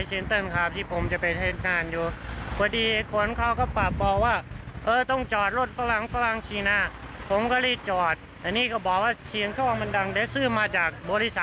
ก็ต้องเสียข้อปรับทั้ง๑๐๐๐บาทคุณแล้วสินะ